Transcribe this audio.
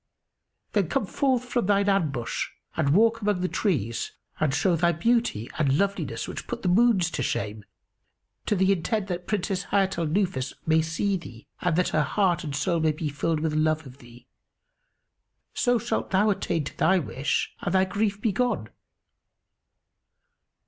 Then come forth from thine ambush and walk among the trees and show thy beauty and loveliness which put the moons to shame, to the intent that Princess Hayat al Nufus may see thee and that her heart and soul may be filled with love of thee; so shalt thou attain to thy wish and thy grief be gone."